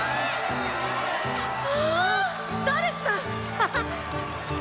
ハハッ！